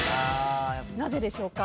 なぜでしょうか？